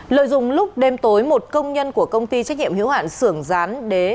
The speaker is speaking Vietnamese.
lợi dụng lúc đêm tối một công nhân của công ty trách nhiệm hiếu hạn sưởng rán đế